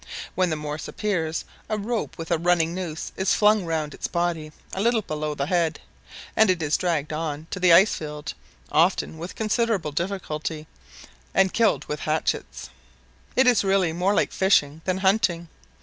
When the morse appears, a rope with a running noose is flung round its body a little below the head, and it is dragged on to the ice field, often with considerable difficulty, and killed with hatchets. It is really more like fishing than hunting.